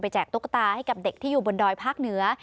แจกตุ๊กตาให้กับเด็กที่อยู่บนดอยภาคเหนือ